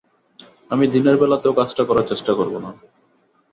আমি দিনের বেলাতেও কাজটা করার চেষ্টা করব না।